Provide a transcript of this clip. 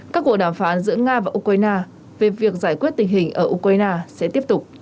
các cuộc đàm phán giữa nga và ukraine về việc giải quyết tình hình ở ukraine sẽ tiếp tục